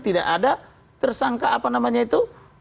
tidak ada tersangka apa namanya itu